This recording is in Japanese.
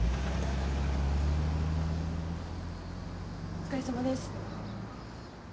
お疲れさまです。